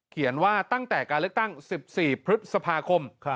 เขียนว่าตั้งแต่การเลือกตั้ง๑๔พฤษภาคม